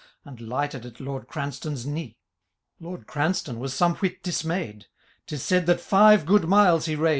And lighted at Lord Cranstoun^s knee. Lord Cranstoun was some whit dismayed ;' *Ti8 said that five good miles he rade.